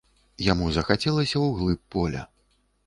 Яму захацелася ў глыб поля.